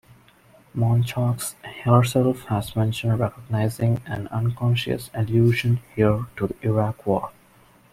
Monchaux herself has mentioned recognizing an unconscious allusion here to the Iraq War.